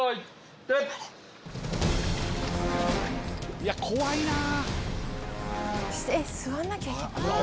いや怖いなぁ。